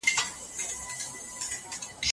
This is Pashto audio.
ج: په شالمار مېلو کې ساعت تېری